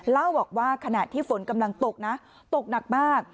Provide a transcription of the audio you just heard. เล่าบอกว่าขณะที่ฝนกำลังตกนะตกหนักมาก